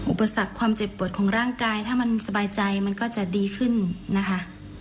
รับการผ่านรักษาอุปสรรคความเจ็บปวดของร่างกายถ้ามันสบายใจมันก็จะดีขึ้นนะคะ